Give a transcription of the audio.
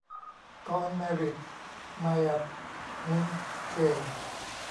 Gone married Myat Htun Shwe.